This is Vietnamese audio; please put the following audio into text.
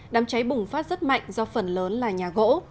đám cháy bùng phát rất mạnh do phần lớn là nhà gỗ